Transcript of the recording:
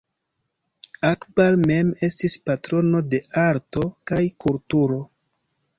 Akbar mem estis patrono de arto kaj kulturo.